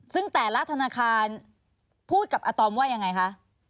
ซึ่งแต่ละธนาคารพูดกับอาตอมว่ายังไงคะ